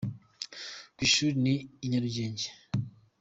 kwishuri ni i inyarugenge